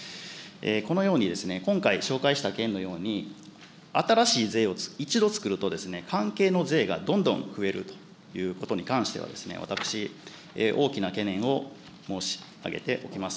このように今回、紹介した件のように、新しい税を一度つくるとですね、関係の税がどんどん増えるということに関しては、私、大きな懸念を申し上げておきます。